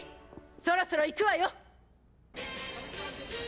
そろそろ行くわよ！